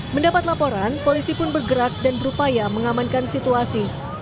mendapat laporan polisi pun bergerak dan berupaya mengamankan situasi